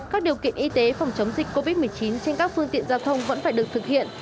các điều kiện y tế phòng chống dịch covid một mươi chín trên các phương tiện giao thông vẫn phải được thực hiện